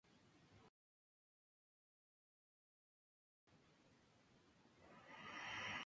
No tenemos baños públicos, tenemos dependencias".